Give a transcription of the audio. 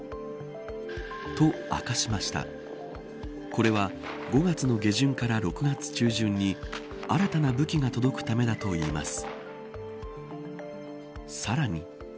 これは５月の下旬から６月中旬に新たな武器が届くためだといいます。